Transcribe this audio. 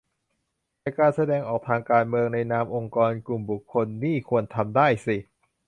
แต่การแสดงออกทางการเมืองในนามองค์กร-กลุ่มบุคคลนี่ควรทำได้สิ